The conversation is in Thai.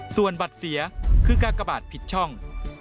ส่วนบัตรเสียคือกากบาทผิดช่อง